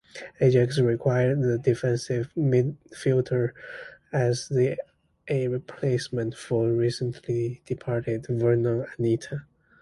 Ajax acquired the defensive midfielder as a replacement for recently departed Vurnon Anita.